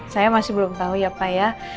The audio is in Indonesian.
saya masih belum tahu ya pak ya